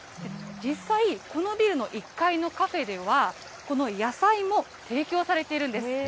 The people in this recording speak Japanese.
実際、このビルの１階のカフェでは、この野菜も提供されているんです。